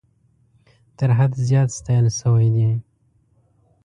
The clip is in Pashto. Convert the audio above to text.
تر حد زیات ستایل سوي دي.